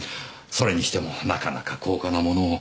それにしてもなかなか高価なものを。